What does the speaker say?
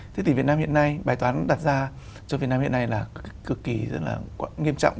thế thì việt nam hiện nay bài toán đặt ra cho việt nam hiện nay là cực kỳ rất là nghiêm trọng